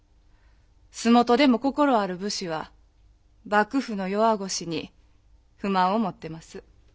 洲本でも心ある武士は幕府の弱腰に不満を持ってます。